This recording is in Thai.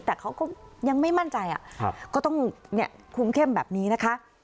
แต่เขาก็ยังไม่มั่นใจอ่ะครับก็ต้องเนี่ยคุ้มเข้มแบบนี้นะคะ